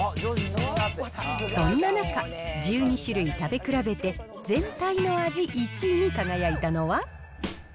そんな中、１２種類食べ比べて、全体の味１位に輝いたのは？